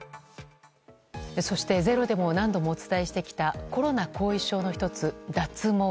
そして「ｚｅｒｏ」でも何度もお伝えしてきたコロナ後遺症の１つ、脱毛。